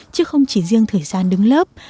chứ không chỉ riêng thời gian đứng lớp